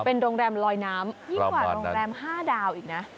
เป็นโรงแรมลอยน้ำยิ่งกว่าโรงแรม๕ดาวอีกนะ